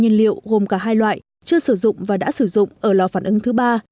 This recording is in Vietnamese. nhân liệu gồm cả hai loại chưa sử dụng và đã sử dụng ở lò phản ứng thứ ba